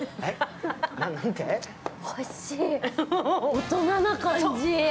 大人な感じ。